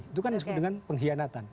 itu kan disebut dengan pengkhianatan